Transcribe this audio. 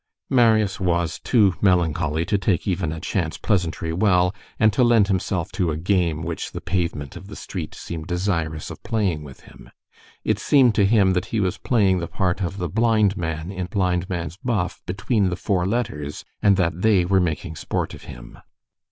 Marius was too melancholy to take even a chance pleasantry well, and to lend himself to a game which the pavement of the street seemed desirous of playing with him. It seemed to him that he was playing the part of the blind man in blind man's buff between the four letters, and that they were making sport of him.